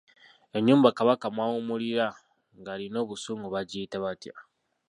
Ennyumba Kabaka mw’awummulira ng’alina obusungu bagiyita batya?